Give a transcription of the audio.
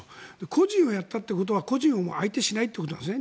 個人をやったということは個人を相手しないということなんですね。